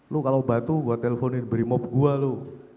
lu kalau batu gue teleponin brimob gue lo